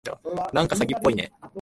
なんか詐欺っぽいね。